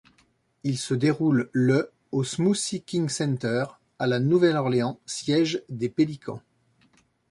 Il se déroule le au Smoothie King Center à La Nouvelle-Orléans, siège des Pelicans.